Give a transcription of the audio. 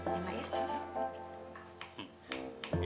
ya pak ya